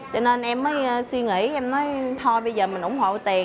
cho nên em mới suy nghĩ em mới thôi bây giờ mình ủng hộ tiền